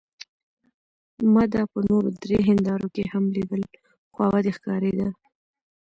ما دا په نورو درې هندارو کې هم لیدل، خوابدې ښکارېده.